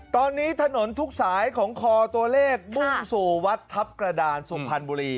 ตอนนี้ถนนทุกสายของคอตัวเลขมุ่งสู่วัดทัพกระดานสุพรรณบุรี